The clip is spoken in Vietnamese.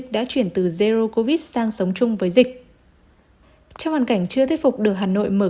đã chuyển từ zero covid sang sống chung với dịch trong hoàn cảnh chưa thuyết phục được hà nội mở